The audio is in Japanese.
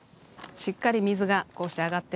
しっかり水がこうして上がってます。